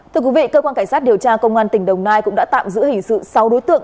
thưa quý vị cơ quan cảnh sát điều tra công an tỉnh đồng nai cũng đã tạm giữ hình sự sáu đối tượng